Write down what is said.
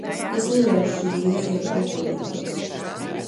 Es neļaušu šīm vīzijām piepildīties.